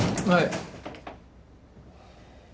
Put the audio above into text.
はい。